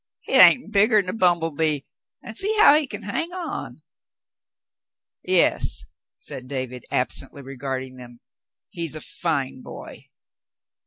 Hit ain't bigger'n a bumble bee, an' see how he km hang on." "Yes," said David, absently regarding them. "He's a fine boy."